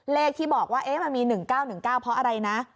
เลขที่บอกว่ามันมี๑๙๑๙เพราะอะไรนะ